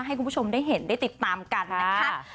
ให้คุณผู้ชมได้เห็นได้ติดตามกันนะคะ